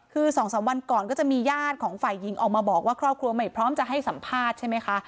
คือ๒๓วันก่อนก็จะมีญาติของฝ่ายหญิงออกมาบอกว่าครอบครัวไม่พร้อมจะให้สัมภาษณ์ใช่ไหมคะ